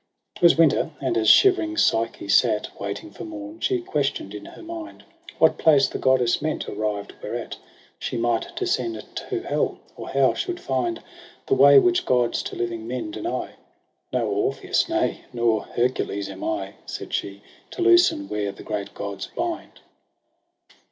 I? "Twas winter ; and as shivering Psyche sat Waiting for morn, she question'd in her mind What place the goddess meant, arrived whereat She might descend to hell, or how should find The way which Gods to living men deny. ' No Orpheus, nay, nor Hercules am I,' Said she, ' to loosen where the great Gods bind.'